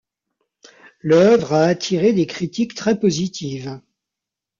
L'œuvre a attiré des critiques très positives.